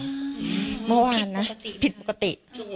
เหมาะว่านนะผิดปกติ